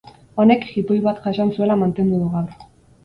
Honek jipoi bat jasan zuela mantendu du gaur.